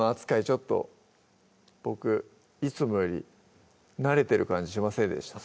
ちょっと僕いつもより慣れてる感じしませんでした？